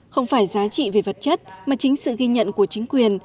không phải giá trị về vật chất mà chính sự ghi nhận của chính quyền